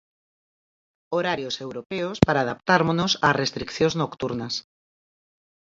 Horarios europeos para adaptármonos ás restricións nocturnas.